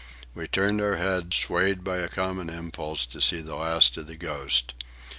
We turned our heads, swayed by a common impulse to see the last of the Ghost.